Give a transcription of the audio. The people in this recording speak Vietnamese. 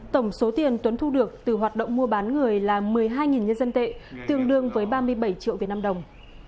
tổng số tiền tuấn thu được từ hoạt động mua bán người là một mươi hai nhân dân tệ tương đương với ba mươi bảy triệu việt nam đồng